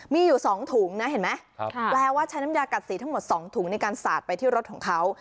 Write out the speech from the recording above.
มีอยู่๒ถุงนะเห็นไหมแปลว่าใช้น้ำยากัดสีทั้งหมด๒ถุงในการสาดไปที่รถของเขา